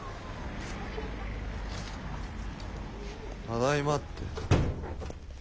ただいまって。